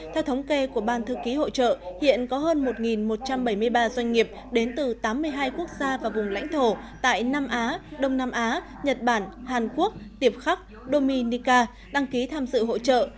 theo thống kê của ban thư ký hội trợ hiện có hơn một một trăm bảy mươi ba doanh nghiệp đến từ tám mươi hai quốc gia và vùng lãnh thổ tại nam á đông nam á nhật bản hàn quốc tiếp khắc dominica đăng ký tham dự hội trợ